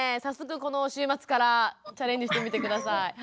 早速この週末からチャレンジしてみて下さい。